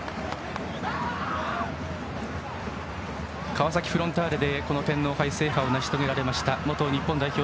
川崎フロンターレでこの天皇杯制覇を成し遂げられました元日本代表